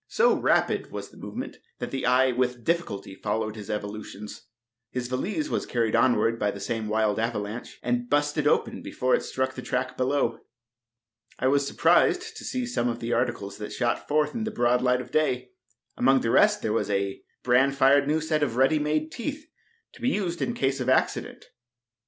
So rapid was the movement that the eye with difficulty followed his evolutions. His valise was carried onward by the same wild avalanche, and "busted" open before it struck the track below. I was surprised to see some of the articles that shot forth into the broad light of day. Among the rest there was a bran fired new set of ready made teeth, to be used in case of accident.